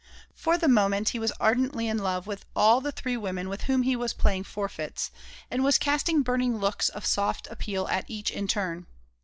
For the moment he was ardently in love with all the three women with whom he was playing forfeits, and was casting burning looks of soft appeal at each in turn.